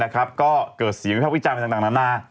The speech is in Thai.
ก็เกิดเสียงวิภาพวิจารณ์ไปต่างนานา